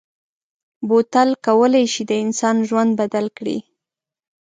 بوتل کولای شي د انسان ژوند بدل کړي.